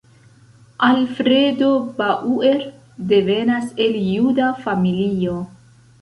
Alfredo Bauer devenas el juda familio.